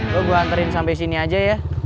gue gue anterin sampe sini aja ya